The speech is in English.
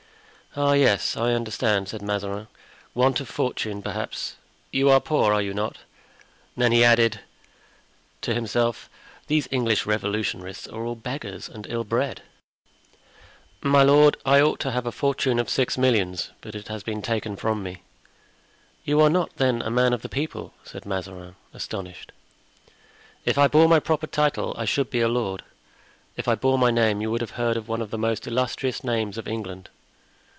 "Ah, yes, I understand," said Mazarin; "want of fortune, perhaps. You are poor, are you not?" Then he added to himself: "These English Revolutionists are all beggars and ill bred." "My lord, I ought to have a fortune of six millions, but it has been taken from me." "You are not, then, a man of the people?" said Mazarin, astonished. "If I bore my proper title I should be a lord. If I bore my name you would have heard one of the most illustrious names of England."